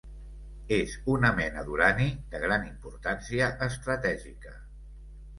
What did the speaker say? És una mena d'urani, de gran importància estratègica.